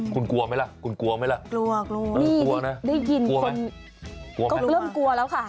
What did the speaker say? คุณกลัวไหมล่ะคุณกลัวไหมล่ะกลัวกลัวนี่กลัวนะได้ยินคนกลัวเริ่มกลัวแล้วค่ะ